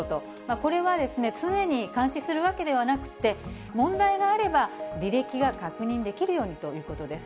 これは常に監視するわけではなくて、問題があれば履歴が確認できるようにということです。